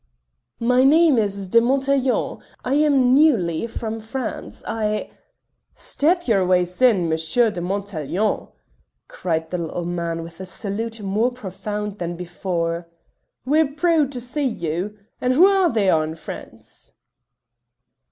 "My name is De Montaiglon; I am newly from France; I " "Step your ways in, Monsher de Montaiglon," cried the little man with a salute more profound than before. "We're prood to see you, and hoo are they a' in France?"